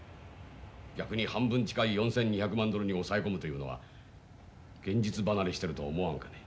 逆に半分近い４，２００万ドルに抑え込むというのは現実離れしてると思わんかね。